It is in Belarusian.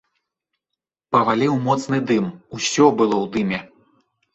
Паваліў моцны дым, усё было ў дыме.